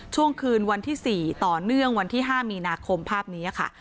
ช่วงคืนวันที่๔ต่อเนื่องวันที่๕มีนาคมภาพนี้ค่ะ